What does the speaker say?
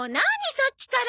さっきから。